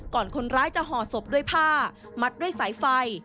คนร้ายจะห่อศพด้วยผ้ามัดด้วยสายไฟ